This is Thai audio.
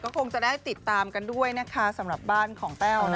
คงจะได้ติดตามกันด้วยนะคะสำหรับบ้านของแต้ว